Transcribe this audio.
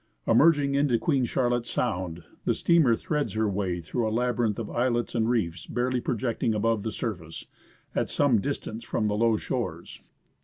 20 W H CO FROM SEATTLE TO JUNEAU EmercrinQ into Oueen Charlotte Sound, the steamer threads her way through a labyrinth of islets and reefs barely projecting above the surface, at some distance from the low shores.